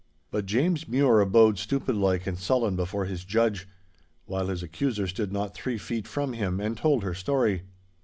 But James Mure abode stupidlike and sullen before his judge, while his accuser stood not three feet from him and told her story.